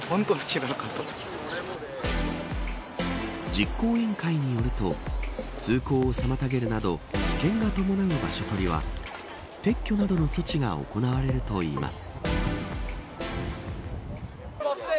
実行委員会によると通行を妨げるなど危険が伴う場所取りは撤去などの措置が行われるといいます。